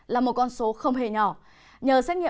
là một con số không hề nhỏ